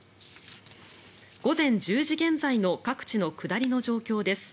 午前１０時現在の各地の下りの状況です。